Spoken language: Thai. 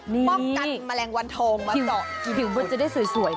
พร้องกันแมลงแวดธงผิวมืดจะได้สวย